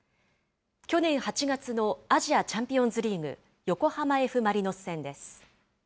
去年８月のアジアチャンピオンズリーグ、横浜Ｆ・マリノス戦です。